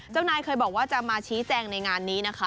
เจ้านายเคยบอกว่าจะมาชี้แจงในงานนี้นะคะ